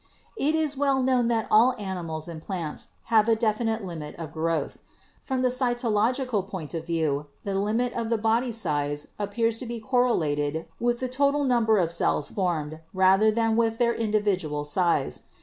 It is well known that all animals and plants have a defi nite limit of growth. From the cytological point of view the limit of body size appears to be correlated with the to tal number of cells formed rather than with their individ ual size.